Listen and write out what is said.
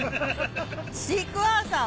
シークァーサーは。